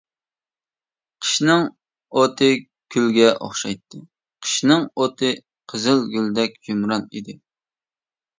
قىشنىڭ ئوتى گۈلگە ئوخشايتتى، قىشنىڭ ئوتى قىزىلگۈلدەك يۇمران ئىدى.